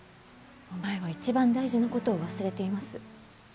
お前は一番大事なことを忘れています。